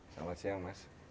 selamat siang mas